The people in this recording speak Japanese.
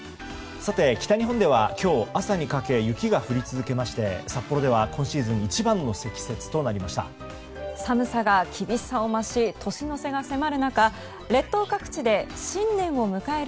北日本では今朝にかけ雪が降り続けまして札幌では今シーズン一番の積雪となりました。